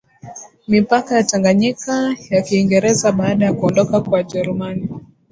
mipaka ya Tanganyika ya Kiingereza baada ya kuondoka kwa Wajerumani